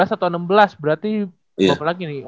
lima belas atau enam belas berarti berapa lagi nih